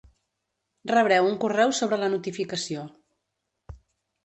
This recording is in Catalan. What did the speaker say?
Rebreu un correu sobre la notificació.